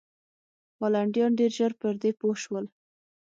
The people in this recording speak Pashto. هالنډیان ډېر ژر پر دې پوه شول.